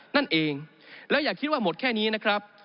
นั่นเองแล้วอย่าคิดว่าหมดแค่นี้นะครับ